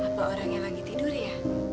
apa orangnya lagi tidur ya